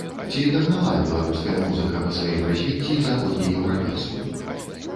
Ці дагнала беларуская музыка па сваім развіцці заходнееўрапейскую?